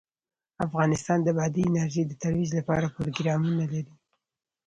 افغانستان د بادي انرژي د ترویج لپاره پروګرامونه لري.